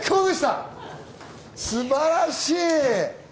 素晴らしい！